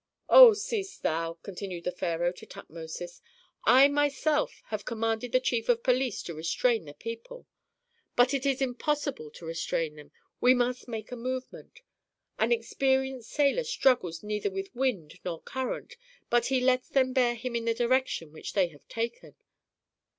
"Oh, seest thou," continued the pharaoh to Tutmosis. "I myself have commanded the chief of police to restrain the people. But it is impossible to restrain them, we must make a movement. An experienced sailor struggles neither with wind nor current, but he lets them bear him in the direction which they have taken."